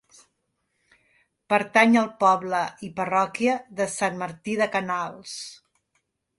Pertany al poble i parròquia de Sant Martí de Canals.